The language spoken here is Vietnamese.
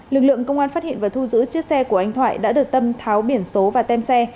lực lượng công an phát hiện và thu giữ chiếc xe của anh thoại đã được tâm tháo biển số và tem xe